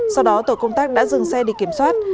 sau đó tổ công tác đã dừng xe đi kiểm soát